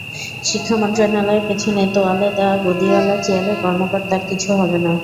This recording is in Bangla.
শিক্ষা মন্ত্রণালয়ের পেছনে তোয়ালে দেওয়া গদিওয়ালা চেয়ারের কর্মকর্তার কিছু হবে না।